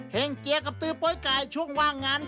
แห้งเจียกับตื๊ป้อยไก่ช่วงว่างงาน